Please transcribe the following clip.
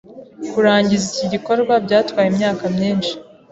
Kurangiza iki gikorwa byatwaye imyaka myinshi.